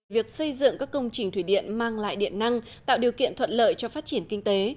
việc xây dựng các công trình thủy điện mang lại điện năng tạo điều kiện thuận lợi cho phát triển kinh tế